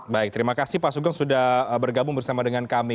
baik terima kasih pak sugeng sudah bergabung bersama dengan kami